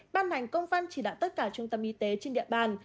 ban hành công văn chỉ đạo tất cả trung tâm y tế trên địa bàn